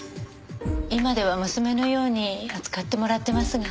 今では娘のように扱ってもらってますが。